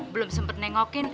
belum sempet nengokin